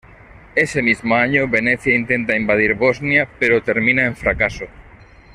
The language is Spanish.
Ese mismo año Venecia intenta invadir Bosnia pero termina en fracaso.